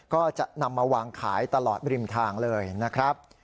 ก็จะนำมาวางขายตลอดริมทางเลยนะครับ